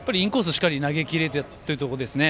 しっかり投げきれるところですね。